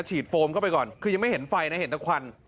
โฟมเข้าไปก่อนคือยังไม่เห็นไฟนะเห็นแต่ควัน